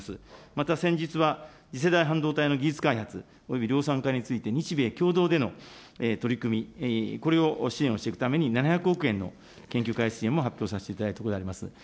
また先日は次世代半導体の技術開発および量産化について日米共同での取り組み、これを支援をしていくために７００億円の研究開発支援も発表させていただいたところであります。